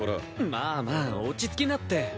まあまあ落ち着きなって。